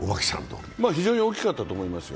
非常に大きかったと思いますよ。